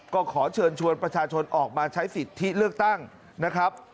ก็ขอเชิญชวนประชาชนออกมาใช้สิทธิเลือกตั้งนะครับ